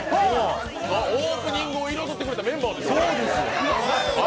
オープニングを彩ってくれたメンバーですよ。